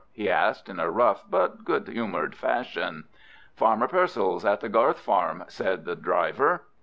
he asked, in a rough but good humoured fashion. "Farmer Purcell's, at the Garth Farm," said the driver.